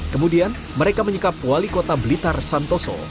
kemudian mereka menyekap wali kota blitar santoso